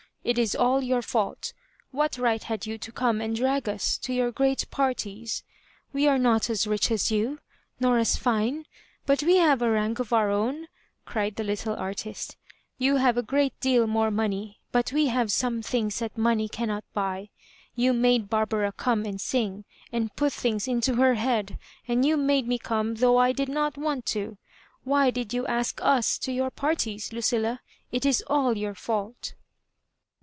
It ia all jour fault. What right had you to come and drag ua to your great parties f We are not as rioh as you, nor aa fine, but we have a rank of our own," cried the little artist You have a great deal more money, but we have some things that money cannot buy. You made Barbara come and sing, and put things into her head; and you made me come, tliough I did not want ta Why did you ask us to your parties, Luoilla ? It is all your &ult